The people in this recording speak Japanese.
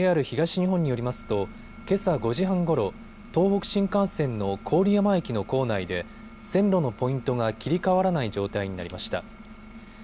ＪＲ東日本によりますとけさ５時半ごろ、東北新幹線の郡山駅の構内で線路のポイントが切り替わらない状態になりました。